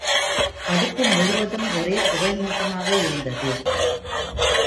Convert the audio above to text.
அடுப்பு முழுவதும் ஒரே புகைமூட்டமாக இருந்தது.